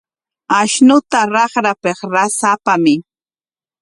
Ashnuta raqrapik ras apamuy.